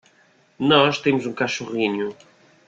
Nós temos um cachorrinho